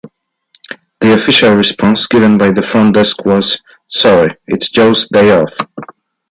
The official response given by the front desk was, Sorry, it's Joe's day off.